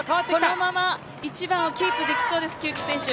このまま１番をキープできそうです、久木選手。